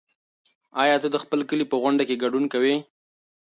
ایا ته د خپل کلي په غونډه کې ګډون کوې؟